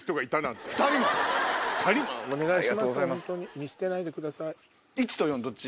見捨てないでください。